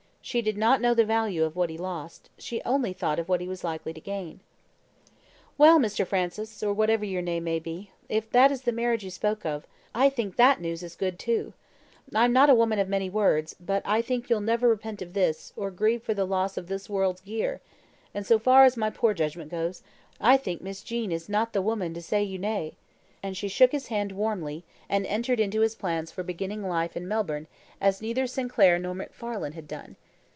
She did not know the value of what he lost, she only thought of what he was likely to gain. "Well, Mr. Francis, or whatever your name may be, if that is the marriage you spoke of, I think that news is GOOD too. I'm not a woman of many words, but I think you'll never repent of this, or grieve for the loss of this world's gear; and so far as my poor judgment goes, I think Miss Jean is not the woman to say you nay;" and she shook his hand warmly, and entered into his plans for beginning life in Melbourne, as neither Sinclair nor MacFarlane had done.